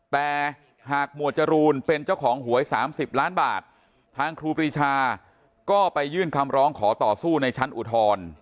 แต่หากหมวดจรูนเป็นเจ้าของหวย๓๐ล้านบาททางครูปรีชาก็ไปยื่นคำร้องขอต่อสู้ในชั้นอุทธรณ์